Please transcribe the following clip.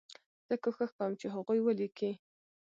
زه کوښښ کوم چې هغوی ولیکي.